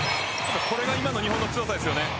これが今の日本の強さですよね。